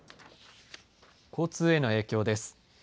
交通への影響です。